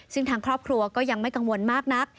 ซึ่งทางครอบครัวก็ยังไม่กังวลมากนัก